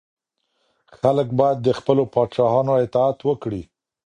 خلګ باید د خپلو پاچاهانو اطاعت وکړي.